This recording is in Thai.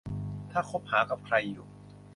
ถ้าคบหากับใครอยู่